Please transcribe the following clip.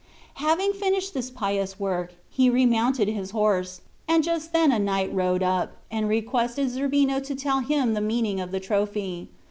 Having finished this pious work, he remounted his horse, and just then a knight rode up, and requested Zerbino to tell him the meaning of the trophy.